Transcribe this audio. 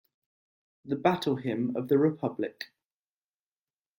The Battle Hymn of the Republic.